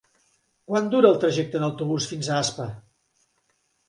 Quant dura el trajecte en autobús fins a Aspa?